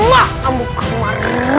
jangan lupa untuk berlangganan